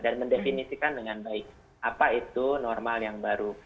mendefinisikan dengan baik apa itu normal yang baru